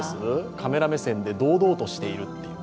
カメラ目線で、堂々としている。